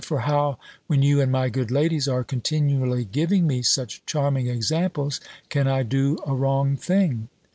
For how, when you, and my good ladies, are continually giving me such charming examples, can I do a wrong thing?"